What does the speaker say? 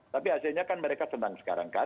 tapi hasilnya kan mereka senang sekarang kan